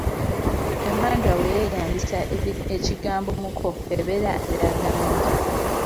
Emmandwa bwe yeeyambisa ekigambo “muko” ebeera eraga ani?